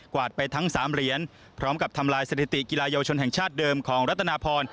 วาดไปทั้ง๓เหรียญพร้อมกับทำลายสถิติกีฬาเยาวชนแห่งชาติเดิมของรัฐนาพร